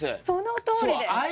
そのとおりです！